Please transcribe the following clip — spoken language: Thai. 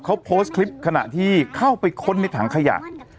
เขาโพสต์คลิปขณะที่เข้าไปค้นในถังขยะ